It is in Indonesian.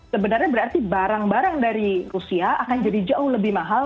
sebenarnya berarti barang barang dari rusia akan jadi jauh lebih mahal